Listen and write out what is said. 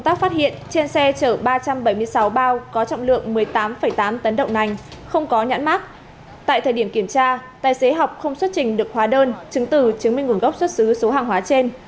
tại thời điểm kiểm tra tài xế học không xuất trình được hóa đơn chứng từ chứng minh nguồn gốc xuất xứ số hàng hóa trên